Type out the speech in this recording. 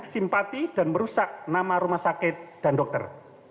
simpati dan merusak nama rumah sakit dan dokter